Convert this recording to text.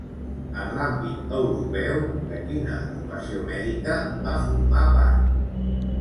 En l'àmbit europeu, de quina agrupació mèdica va formar part?